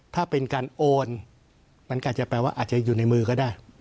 ถ้าเป็นการโอนมันก็อาจจะแปลว่าอาจจะอยู่ในมือก็ได้